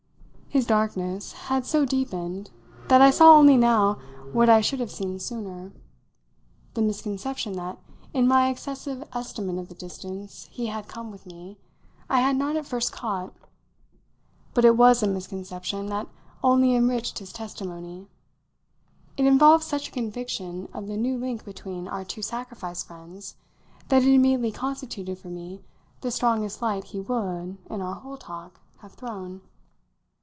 His darkness had so deepened that I saw only now what I should have seen sooner the misconception that, in my excessive estimate of the distance he had come with me, I had not at first caught. But it was a misconception that only enriched his testimony; it involved such a conviction of the new link between our two sacrificed friends that it immediately constituted for me the strongest light he would, in our whole talk, have thrown.